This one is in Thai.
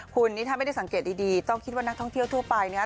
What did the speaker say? คุณนี่ถ้าไม่ได้สังเกตดีต้องคิดว่านักท่องเที่ยวทั่วไปนะครับ